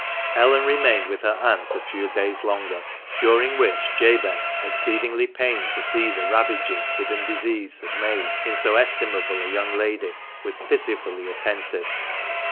Ellen remained with her aunt a few days longer, during which Jabez, exceedingly pained to see the ravages hidden disease had made in so estimable a young lady, was pitifully attentive.